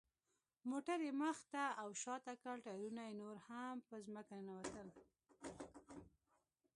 موټر یې مخ ته او شاته کړ، ټایرونه یې نور هم په ځمکه ننوتل.